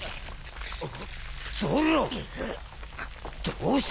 どうした！？